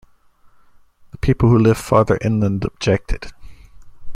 The people who lived farther inland objected.